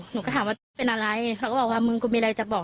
หนูก็ถามว่าตุ๊กเป็นอะไรเขาก็บอกว่ามึงกูมีอะไรจะบอก